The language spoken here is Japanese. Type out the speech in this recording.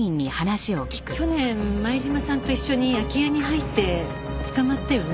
去年前島さんと一緒に空き家に入って捕まったよね？